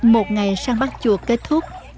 một ngày săn bắt chuột kết thúc